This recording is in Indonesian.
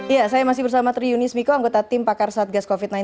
ya saya masih bersama tri yunis miko anggota tim pakar satgas covid sembilan belas